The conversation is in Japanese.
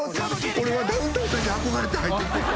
俺はダウンタウンさんに憧れて入ってきてんで。